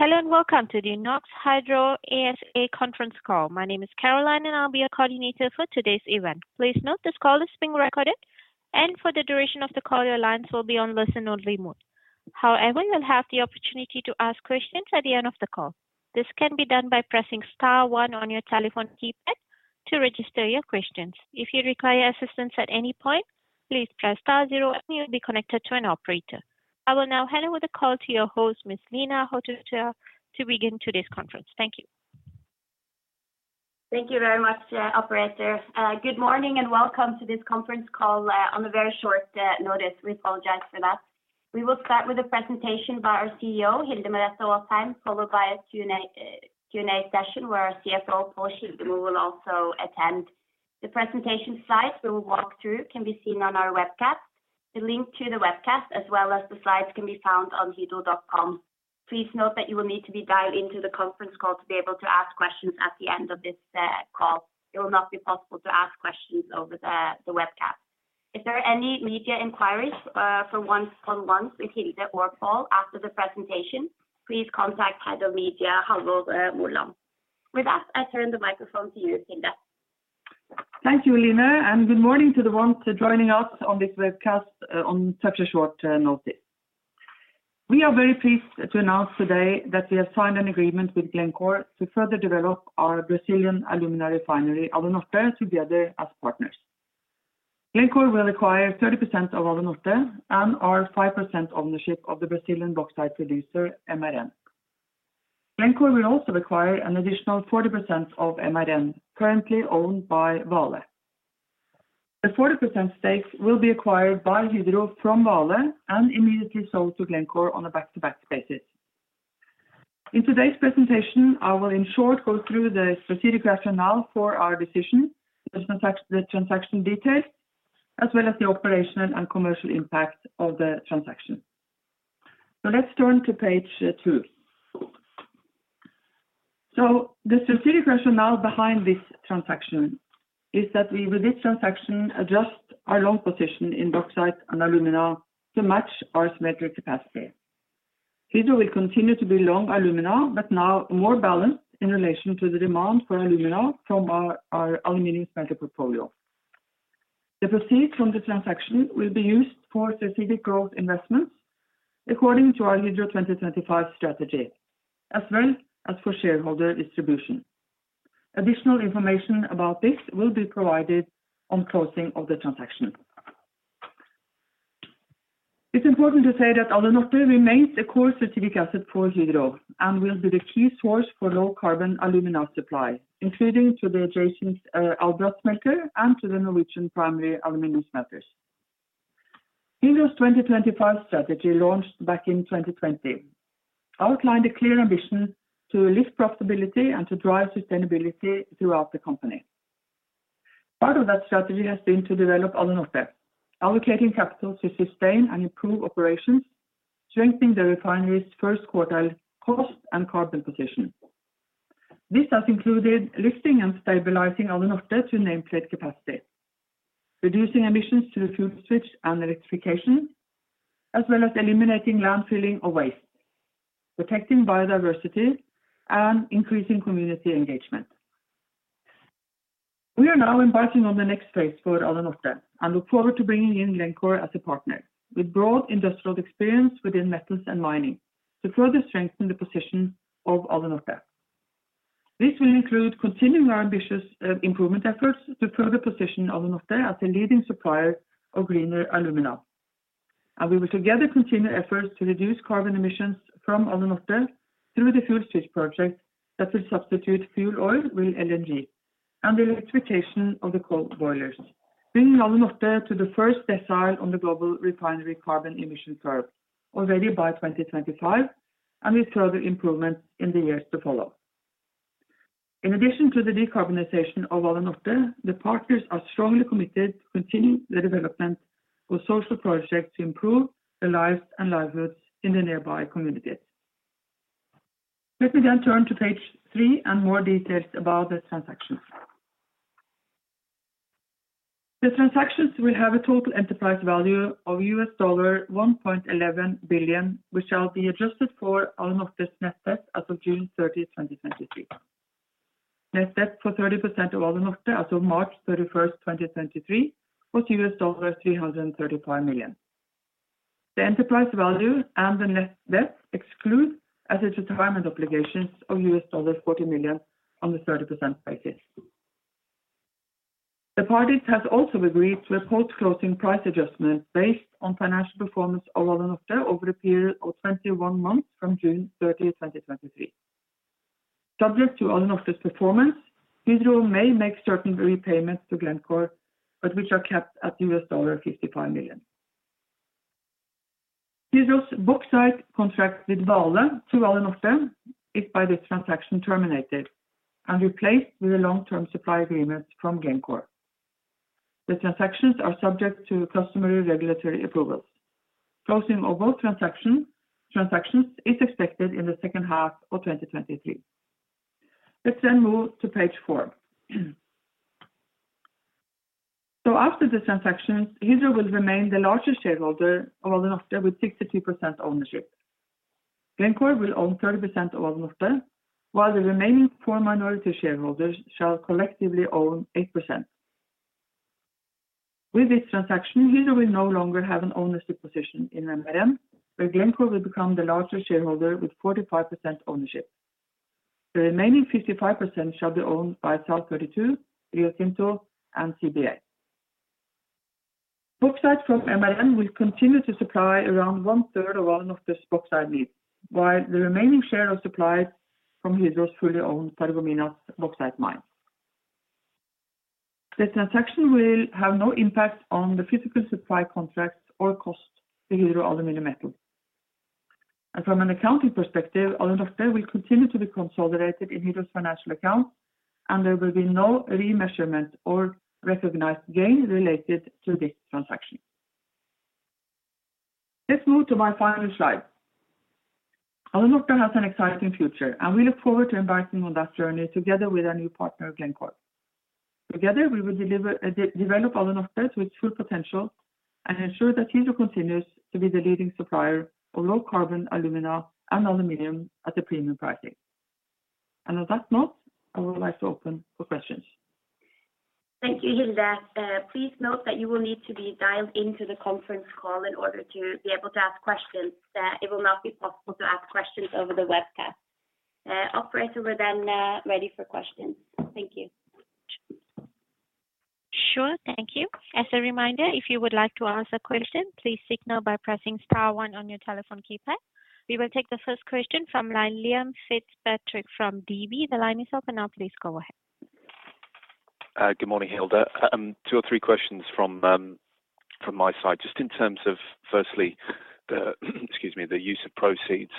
Hello and welcome to the Norsk Hydro ASA conference call. My name is Caroline, and I'll be your coordinator for today's event. Please note this call is being recorded, and for the duration of the call, your lines will be on listen-only mode. However, you'll have the opportunity to ask questions at the end of the call. This can be done by pressing star one on your telephone keypad to register your questions. If you require assistance at any point, please press star zero and you'll be connected to an operator. I will now hand over the call to your host, Ms. Line Haugetraa, to begin today's conference. Thank you. Thank you very much, operator. Good morning and welcome to this conference call on a very short notice. We apologize for that. We will start with a presentation by our CEO, Hilde Merete Aasheim, followed by a Q&A session where our CFO, Pål Kildemo, will also attend. The presentation slides we will walk through can be seen on our webcast. The link to the webcast, as well as the slides, can be found on hydro.com. Please note that you will need to be dialed into the conference call to be able to ask questions at the end of this call. It will not be possible to ask questions over the webcast. If there are any media inquiries from one-on-one with Hilde or Pål after the presentation, please contact Hydro Media, Halvor Molland. With that, I turn the microphone to you, Hilde. Good morning to the ones joining us on this webcast on such a short notice. We are very pleased to announce today that we have signed an agreement with Glencore to further develop our Brazilian alumina refinery, Alunorte, together as partners. Glencore will acquire 30% of Alunorte and our 5% ownership of the Brazilian bauxite producer, MRN. Glencore will also acquire an additional 40% of MRN currently owned by Vale. The 40% stake will be acquired by Hydro from Vale and immediately sold to Glencore on a back-to-back basis. In today's presentation, I will in short go through the strategic rationale for our decision, the transaction details, as well as the operational and commercial impact of the transaction. Let's turn to page 2. The strategic rationale behind this transaction is that we, with this transaction, adjust our long position in bauxite and alumina to match our smelter capacity. Hydro will continue to be long alumina, but now more balanced in relation to the demand for alumina from our aluminum smelter portfolio. The proceeds from the transaction will be used for strategic growth investments according to our Hydro 2025 strategy, as well as for shareholder distribution. Additional information about this will be provided on closing of the transaction. It's important to say that Alunorte remains a core strategic asset for Hydro and will be the key source for low-carbon alumina supply, including to the adjacent Albras smelter and to the Norwegian primary aluminum smelters. Hydro's 2025 strategy, launched back in 2020, outlined a clear ambition to lift profitability and to drive sustainability throughout the company. Part of that strategy has been to develop Alunorte, allocating capital to sustain and improve operations, strengthening the refinery's first quartile cost and carbon position. This has included lifting and stabilizing Alunorte to nameplate capacity, reducing emissions through fuel switch and electrification, as well as eliminating landfilling of waste, protecting biodiversity, and increasing community engagement. We are now embarking on the next phase for Alunorte and look forward to bringing in Glencore as a partner with broad industrial experience within metals and mining to further strengthen the position of Alunorte. This will include continuing our ambitious improvement efforts to further position Alunorte as a leading supplier of greener alumina. We will together continue efforts to reduce carbon emissions from Alunorte through the fuel switch project that will substitute fuel oil with LNG and the electrification of the coal boilers, bringing Alunorte to the first decile on the global refinery carbon emission curve already by 2025, and with further improvements in the years to follow. In addition to the decarbonization of Alunorte, the partners are strongly committed to continuing the development of social projects to improve the lives and livelihoods in the nearby communities. Let me turn to page 3 and more details about the transactions. The transactions will have a total enterprise value of $1.11 billion, which shall be adjusted for Alunorte's net debt as of June thirtieth, 2023. Net debt for 30% of Alunorte as of March 31st, 2023, was $335 million. The enterprise value and the net debt exclude asset retirement obligations of $40 million on the 30% basis. The parties have also agreed to a post-closing price adjustment based on financial performance of Alunorte over a period of 21 months from June 30, 2023. Subject to Alunorte's performance, Hydro may make certain repayments to Glencore, but which are capped at $55 million. Hydro's bauxite contract with Vale to Alunorte is by this transaction terminated and replaced with a long-term supply agreement from Glencore. The transactions are subject to customary regulatory approvals. Closing of both transactions is expected in the second half of 2023. Let's move to page 4. After the transactions, Hydro will remain the largest shareholder of Alunorte with 62% ownership. Glencore will own 30% of Alunorte, while the remaining 4 minority shareholders shall collectively own 8%. With this transaction, Hydro will no longer have an ownership position in MRN, where Glencore will become the largest shareholder with 45% ownership. The remaining 55% shall be owned by South32, Rio Tinto and CBA. Bauxite from MRN will continue to supply around 1/3 of Alunorte's bauxite needs, while the remaining share are supplied from Hydro's fully owned Paragominas Bauxite Mine. This transaction will have no impact on the physical supply contracts or cost to Hydro aluminum metal. From an accounting perspective, Alunorte will continue to be consolidated in Hydro's financial accounts, and there will be no remeasurement or recognized gain related to this transaction. Let's move to my final slide. Alunorte has an exciting future, and we look forward to embarking on that journey together with our new partner, Glencore. Together, we will deliver, develop Alunorte to its full potential and ensure that Hydro continues to be the leading supplier of low carbon alumina and aluminum at a premium pricing. On that note, I would like to open for questions. Thank you, Hilde. Please note that you will need to be dialed into the conference call in order to be able to ask questions. It will not be possible to ask questions over the webcast. Operator, we're then ready for questions. Thank you. Sure. Thank you. As a reminder, if you would like to ask a question, please signal by pressing star one on your telephone keypad. We will take the first question from line, Liam Fitzpatrick from DB. The line is open now. Please go ahead. Good morning, Hilde. 2 or 3 questions from my side, just in terms of, firstly, the use of proceeds.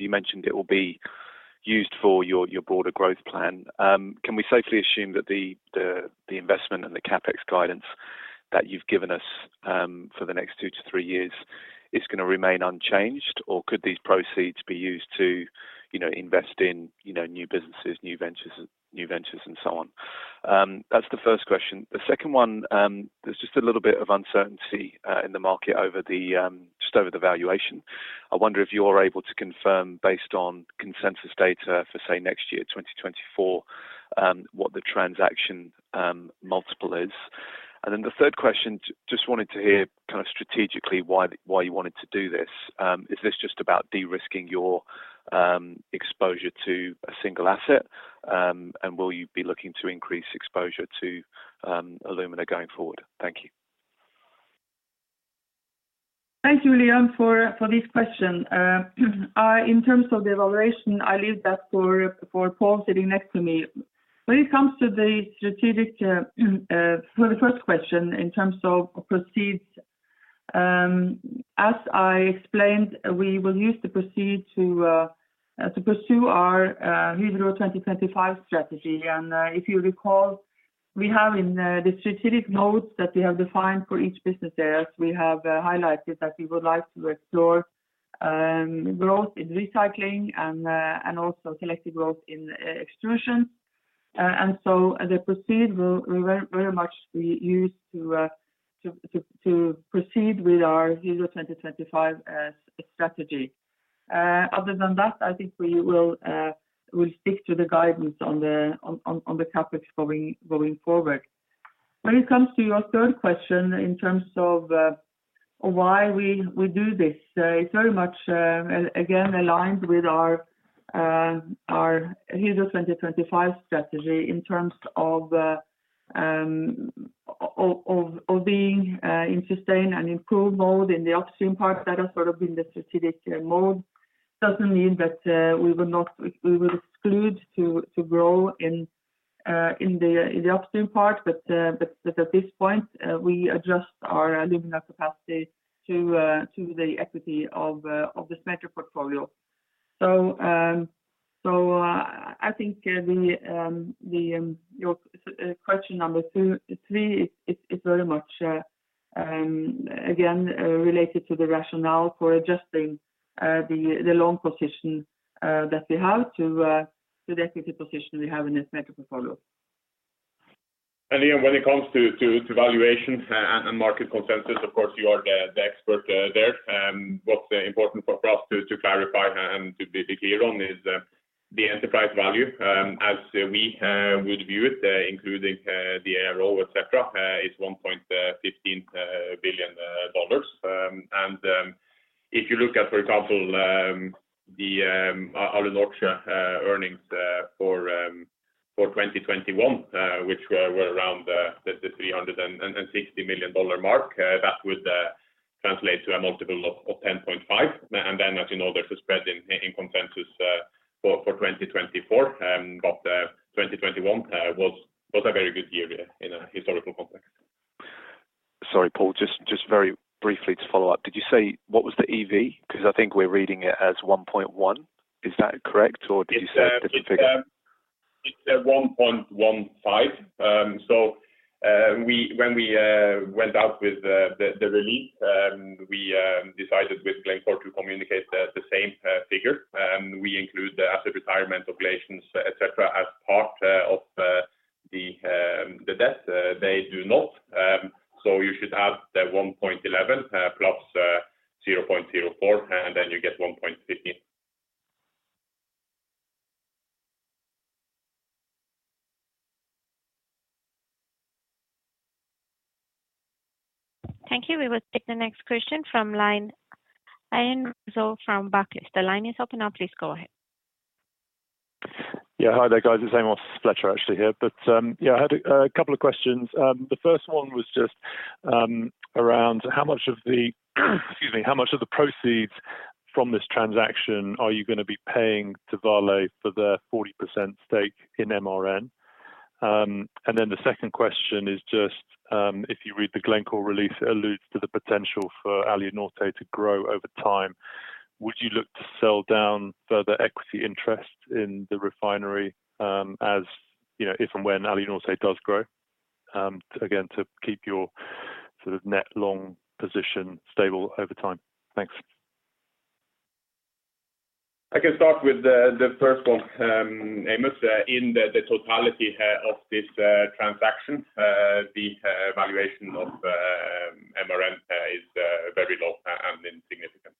You mentioned it will be used for your broader growth plan. Can we safely assume that the investment and the CapEx guidance that you've given us for the next 2-3 years is going to remain unchanged? Or could these proceeds be used to, you know, invest in, you know, new businesses, new ventures and so on? That's the first question. The second one, there's just a little bit of uncertainty in the market over the valuation. I wonder if you're able to confirm based on consensus data for, say, next year, 2024, what the transaction multiple is. Then the third question, just wanted to hear kind of strategically why you wanted to do this. Is this just about de-risking your exposure to a single asset? And will you be looking to increase exposure to alumina going forward? Thank you. Thank you, Liam, for this question. In terms of the evaluation, I leave that for Paul sitting next to me. When it comes to the strategic, for the first question in terms of proceeds, as I explained, we will use the proceed to pursue our Hydro 2025 strategy. If you recall, we have in the strategic notes that we have defined for each business areas, we have highlighted that we would like to explore growth in recycling and also selective growth in extrusion. The proceed will very, very much be used to proceed with our Hydro 2025 strategy. Other than that, I think we will, we'll stick to the guidance on the CapEx going forward. When it comes to your third question in terms of, why we do this, it's very much again, aligned with our Hydro 2025 strategy in terms of being, in sustain and improve mode in the upstream part. That has sort of been the strategic mode. Doesn't mean that we will not exclude to grow in the upstream part. At this point, we adjust our alumina capacity to the equity of the cement portfolio. I think the your question number three is very much again related to the rationale for adjusting the loan position that we have to the equity position we have in the cement portfolio. Liam, when it comes to valuation and market consensus, of course, you are the expert there. What's important for us to clarify and to be clear on is the enterprise value, as we would view it, including the ARO, et cetera, is $1.15 billion. If you look at, for example, the Alunorte earnings for 2021, which were around the $360 million mark, that would translate to a multiple of 10.5. As you know, there's a spread in consensus for 2024. 2021 was a very good year in a historical context. Sorry, Pål. Just very briefly to follow up. Did you say what was the EV? I think we're reading it as $1.1. Is that correct? Did you say a different figure? It's $1.15 billion. When we went out with the release, we decided with Glencore to communicate the same figure. We include the asset retirement obligations, et cetera, as part of the debt, they do not. You should add $1.11 billion plus $0.04 billion, and then you get $1.15 billion. Thank you. We will take the next question from Ian Rizzo from Barclays. The line is open now. Please go ahead. Yeah. Hi there, guys. It's Amos Fletcher actually here. I had a couple of questions. The first one was just around how much of the excuse me, how much of the proceeds from this transaction are you gonna be paying to Vale for their 40% stake in MRN? The second question is just, if you read the Glencore release, it alludes to the potential for Alunorte to grow over time. Would you look to sell down further equity interest in the refinery, as, you know, if and when Alunorte does grow, again, to keep your sort of net long position stable over time? Thanks. I can start with the first one, Amos. In the totality of this transaction, the valuation of MRN is very low and insignificant.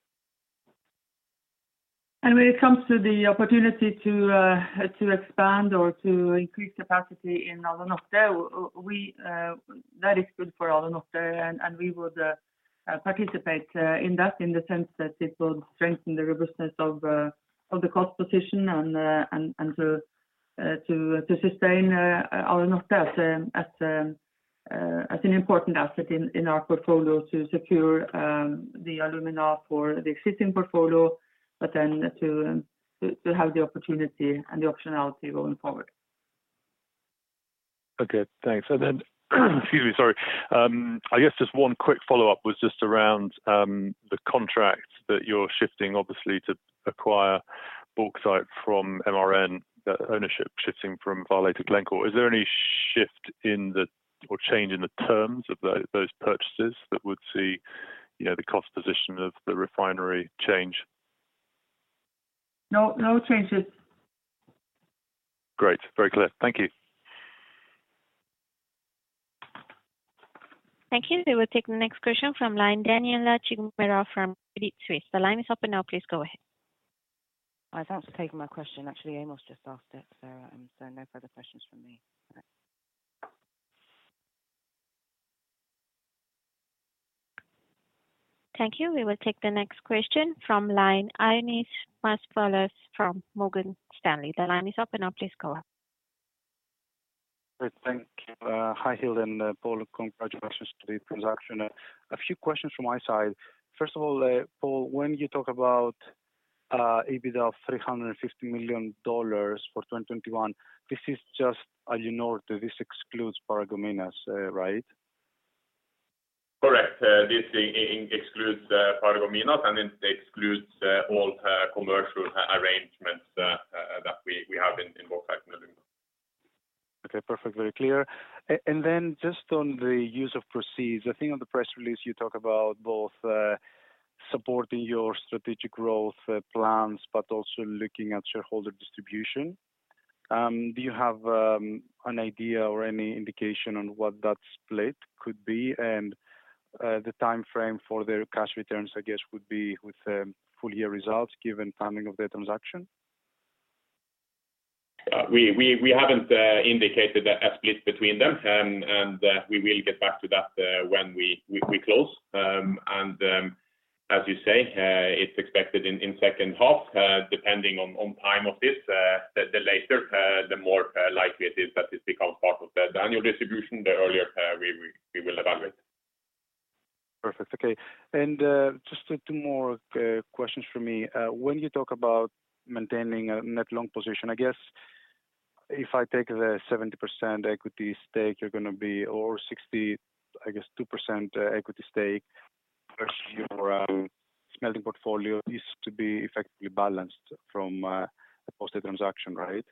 When it comes to the opportunity to expand or to increase capacity in Alunorte, we that is good for Alunorte, and we would participate in that in the sense that it will strengthen the robustness of the cost position and to sustain Alunorte as an important asset in our portfolio to secure the alumina for the existing portfolio, but then to have the opportunity and the optionality going forward. Okay, thanks. Then excuse me, sorry. I guess just one quick follow-up was just around the contract that you're shifting obviously to acquire bauxite from MRN, the ownership shifting from Vale to Glencore. Is there any shift in the or change in the terms of those purchases that would see, you know, the cost position of the refinery change? No, no changes. Great. Very clear. Thank you. Thank you. We will take the next question from line Daniel Achim Cuero from Credit Suisse. The line is open now. Please go ahead. Thanks for taking my question. Actually, Amos just asked it, so no further questions from me. Thanks. Thank you. We will take the next question from line Ioannis Masvoulas from Morgan Stanley. The line is open now. Please go ahead. Great. Thank you. Hi, Hilde and Pål. Congratulations to the transaction. A few questions from my side. First of all, Pål, when you talk about EBITDA of $350 million for 2021, this is just Alunorte. This excludes Paragominas, right? Correct. This excludes Paragominas, and it excludes all commercial arrangements that we have in bauxite and alumina. Okay. Perfect. Very clear. Then just on the use of proceeds, I think on the press release you talk about both supporting your strategic growth plans, but also looking at shareholder distribution. Do you have an idea or any indication on what that split could be and the timeframe for the cash returns, I guess, would be with full year results given timing of the transaction? We haven't indicated a split between them, and we will get back to that when we close. As you say, it's expected in second half, depending on time of this. The later, the more likely it is that this becomes part of the annual distribution, the earlier, we will evaluate. Perfect. Okay. Just two more questions from me. When you talk about maintaining a net long position, I guess if I take the 70% equity stake, you're gonna be over 62% equity stake versus your smelter portfolio is to be effectively balanced from post the transaction, right?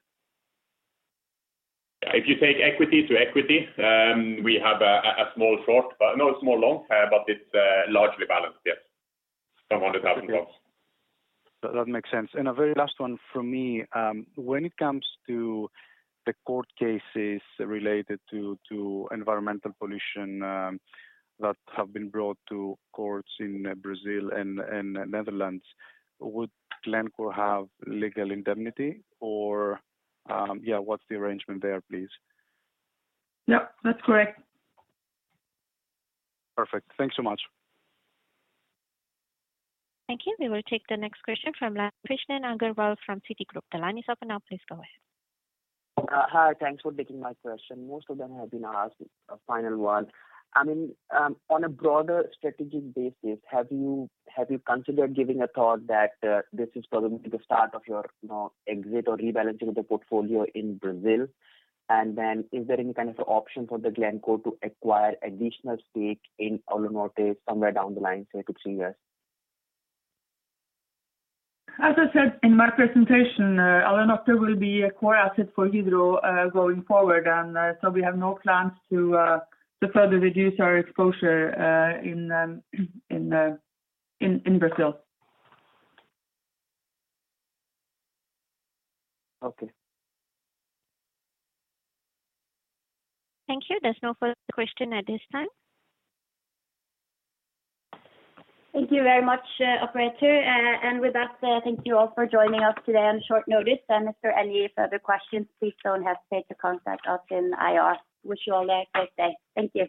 If you take equity to equity, we have a small short, but no small long, but it's largely balanced, yes, from 1,000 blocks. That makes sense. A very last one from me. When it comes to the court cases related to environmental pollution that have been brought to courts in Brazil and Netherlands, would Glencore have legal indemnity or, yeah, what's the arrangement there, please? No, that's correct. Perfect. Thanks so much. Thank you. We will take the next question from Krishan Agarwal from Citigroup. The line is open now. Please go ahead. Hi. Thanks for taking my question. Most of them have been asked. A final one. I mean, on a broader strategic basis, have you considered giving a thought that this is probably the start of your, you know, exit or rebalancing of the portfolio in Brazil? Is there any kind of option for the Glencore to acquire additional stake in Alunorte somewhere down the line say 2, 3 years? As I said in my presentation, Alunorte will be a core asset for Hydro, going forward, and so we have no plans to further reduce our exposure in Brazil. Okay. Thank you. There's no further question at this time. Thank you very much, operator. With that, thank you all for joining us today on short notice. If there are any further questions, please don't hesitate to contact us in IR. Wish you all a great day. Thank you.